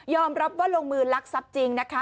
รับว่าลงมือลักทรัพย์จริงนะคะ